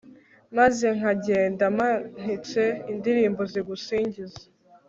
maze nkagenda mpanitse indirimbo zigusingiza